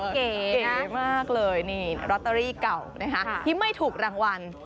เก๋มากเลยรอตเตอรี่เก่าที่ไม่ถูกรางวัล